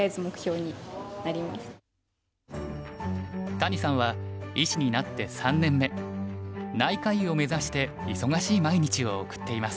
谷さんは医師になって３年目内科医を目指して忙しい毎日を送っています。